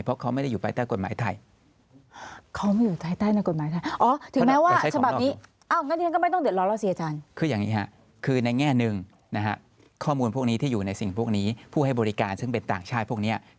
เพราะเขาไม่ได้อยู่ใต้ใต้กฎหมายไทย